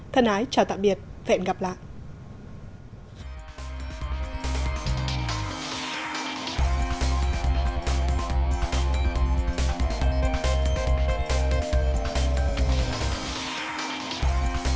thân ái chào tạm biệt và hẹn gặp lại